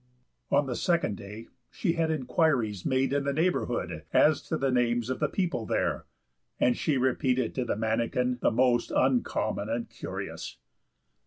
On the second day she had inquiries made in the neighborhood as to the names of the people there, and she repeated to the manikin the most uncommon and curious.